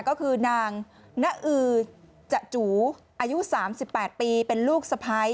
ก็คือนางนะอือจูอายุ๓๘ปีเป็นลูกสะพ้าย